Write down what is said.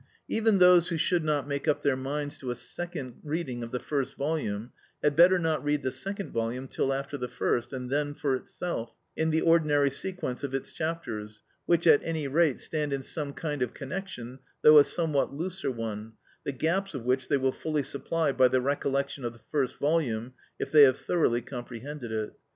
Even those who should not make up their minds to a second reading of the first volume had better not read the second volume till after the first, and then for itself, in the ordinary sequence of its chapters, which, at any rate, stand in some kind of connection, though a somewhat looser one, the gaps of which they will fully supply by the recollection of the first volume, if they have thoroughly comprehended it.